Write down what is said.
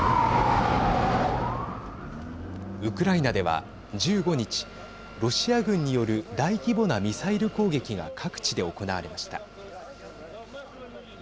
ウクライナでは１５日ロシア軍による大規模なミサイル攻撃が各地で行われました。